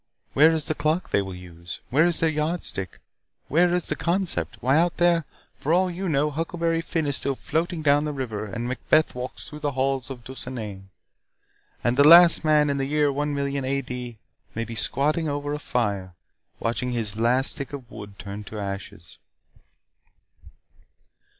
Where is the clock they will use? Where is their yardstick? Where is the concept? Why, out there, for all you know, Huckleberry Finn is still floating down the river, and Macbeth walks through the halls of Dunsinane. And the last man, in the year one million AD, may be squatting over a fire, watching his last stick of wood turn to ashes."